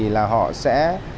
là họ sẽ